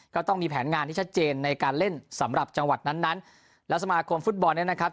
ก็ต้องมีแผนงานที่ชัดเจนในการเล่นสำหรับจังหวัดนั้นนั้นแล้วสมาคมฟุตบอลเนี่ยนะครับ